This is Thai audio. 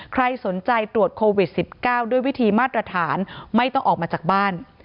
ใครสนใจตรวจโควิด๑๙ด้วยวิธีมาตรฐานไม่ต้องออกมาจากบ้าน